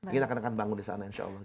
kita akan bangun di sana insya allah